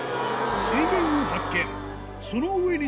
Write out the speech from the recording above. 水源を発見。